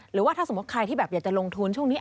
หรือว่าถ้าสมมุติใครที่แบบอยากจะลงทุนช่วงนี้